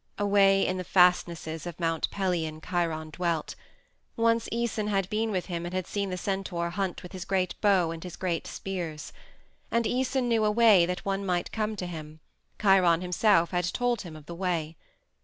Away in the fastnesses of Mount Pelion Chiron dwelt; once Æson had been with him and had seen the centaur hunt with his great bow and his great spears. And Æson knew a way that one might come to him; Chiron himself had told him of the way.